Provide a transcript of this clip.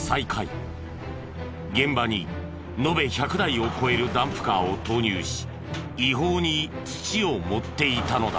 現場に延べ１００台を超えるダンプカーを投入し違法に土を盛っていたのだ。